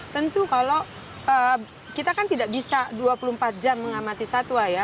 tentu kalau kita kan tidak bisa dua puluh empat jam mengamati satwa ya